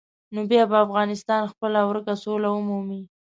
نو بیا به افغانستان خپله ورکه سوله ومومي.